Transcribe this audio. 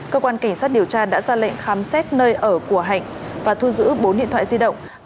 cơ quan cảnh sát điều tra đã ra lệnh khám xét nơi ở của hạnh và thu giữ bốn điện thoại di động